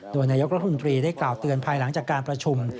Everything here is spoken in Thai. โดยนายกรัฐมนตรีได้กล่าวเตือนภายหลังจากการประชุม